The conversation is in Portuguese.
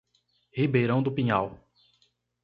Ribeirão do Pinhal